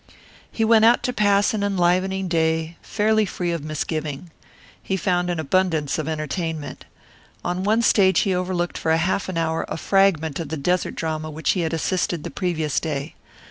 He went out to pass an enlivening day, fairly free of misgiving. He found an abundance of entertainment. On one stage he overlooked for half an hour a fragment of the desert drama which he had assisted the previous day.